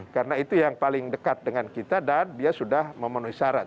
karena itu yang paling dekat dengan kita dan dia sudah memenuhi syarat